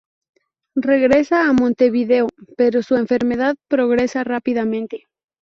Regresa a Montevideo, pero su enfermedad progresa rápidamente.